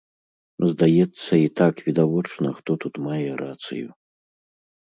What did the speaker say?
Здаецца, і так відавочна, хто тут мае рацыю.